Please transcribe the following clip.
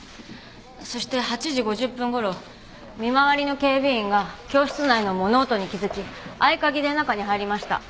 そして８時５０分ごろ見回りの警備員が教室内の物音に気づき合鍵で中に入りました。